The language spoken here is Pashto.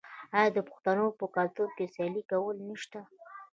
آیا د پښتنو په کلتور کې سیالي کول نشته؟